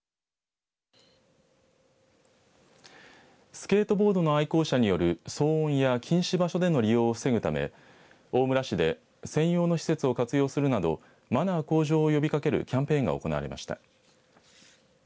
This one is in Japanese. スケートボードの愛好者による騒音や禁止場所での利用を防ぐため大村市で専用の施設を活用するなどマナー向上を呼びかけるキャンペーンが行われました。